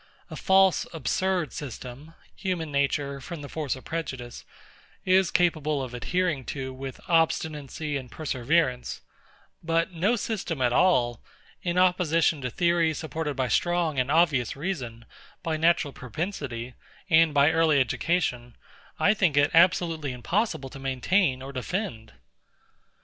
A false, absurd system, human nature, from the force of prejudice, is capable of adhering to with obstinacy and perseverance: But no system at all, in opposition to a theory supported by strong and obvious reason, by natural propensity, and by early education, I think it absolutely impossible to maintain or defend.